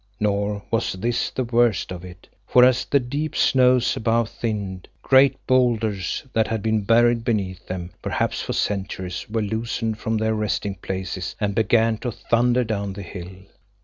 Nor was this the worst of it, for as the deep snows above thinned, great boulders that had been buried beneath them, perhaps for centuries, were loosened from their resting places and began to thunder down the hill.